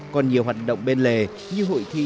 còn nhiều hoạt động bên lề như hội thi